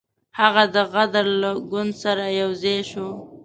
هغه د غدر له ګوند سره یو ځای شو.